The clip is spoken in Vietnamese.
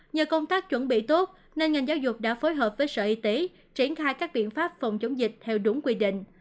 nhờ công tác chuẩn bị tốt nên ngành giáo dục đã phối hợp với sở y tế triển khai các biện pháp phòng chống dịch theo đúng quy định